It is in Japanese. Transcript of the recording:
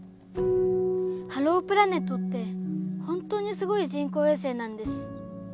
ハロープラネットって本当にすごい人工衛星なんです。